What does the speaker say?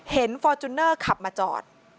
เห็นฟอร์จุนเนอร์ขับมาจอด